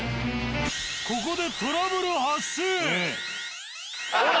ここで。